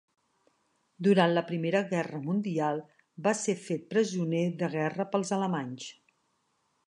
Durant la Primera Guerra Mundial va ser fet presoner de guerra pels alemanys.